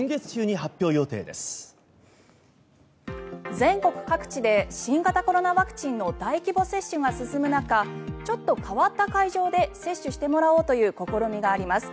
全国各地で新型コロナワクチンの大規模接種が進む中ちょっと変わった会場で接種してもらおうという試みがあります。